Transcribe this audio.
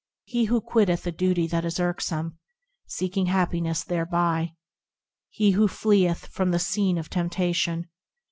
He who quitteth a duty that is irksome, Seeking happiness thereby ; He who fleeth from the scene of temptation.